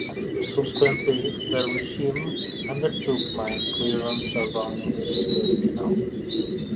Subsequently, the regiment undertook mine clearance around the Suez Canal.